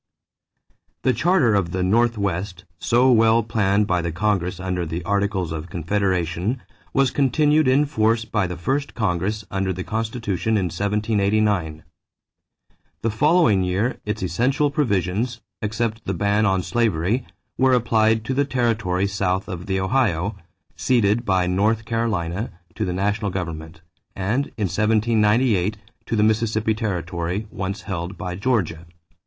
This Charter of the Northwest, so well planned by the Congress under the Articles of Confederation, was continued in force by the first Congress under the Constitution in 1789. The following year its essential provisions, except the ban on slavery, were applied to the territory south of the Ohio, ceded by North Carolina to the national government, and in 1798 to the Mississippi territory, once held by Georgia.